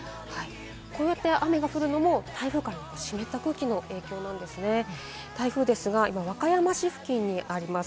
こうやって雨が降るのも台風からの湿った空気の影響なんですよね、台風ですが、今、和歌山市付近にあります。